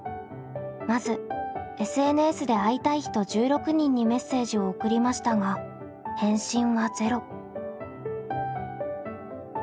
まずＳＮＳで会いたい人１６人にメッセージを送りましたが返信は０。